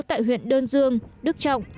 tại huyện đơn dương đức trọng